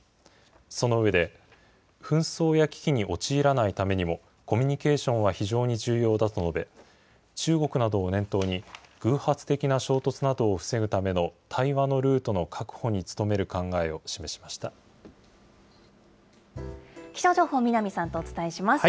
その上で、紛争や危機に陥らないためにも、コミュニケーションは非常に重要だと述べ、中国などを念頭に、偶発的な衝突などを防ぐための対話のルートの確保に努める考えを気象情報、南さんとお伝えします。